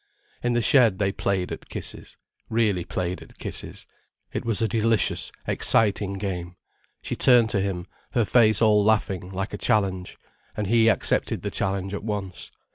In the shed they played at kisses, really played at kisses. It was a delicious, exciting game. She turned to him, her face all laughing, like a challenge. And he accepted the challenge at once.